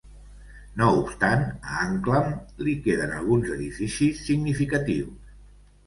No obstant, a Anklam li queden alguns edificis significatius.